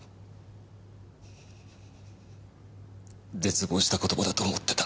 絶望した言葉だと思ってた。